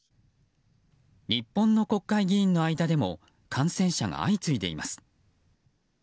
日本の国会議員の間でも感染者が相次いでいます。